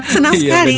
senang sekali ya